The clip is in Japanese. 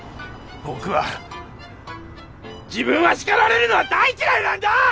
僕は自分は叱られるのは大嫌いなんだぁ！！